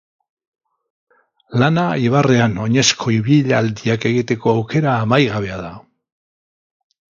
Lana ibarrean oinezko ibilaldiak egiteko aukera amaigabea da.